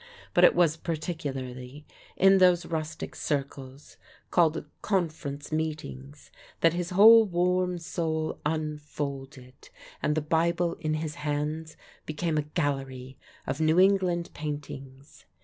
But it was particularly in those rustic circles, called "conference meetings," that his whole warm soul unfolded, and the Bible in his hands became a gallery of New England paintings.